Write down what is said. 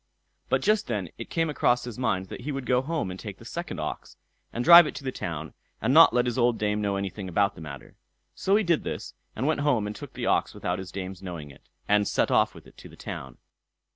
But just then it came across his mind that he would go home and take the second ox, and drive it to the town, and not let his old dame know anything about the matter. So he did this, and went home and took the ox without his dame's knowing it, and set off with it to the town.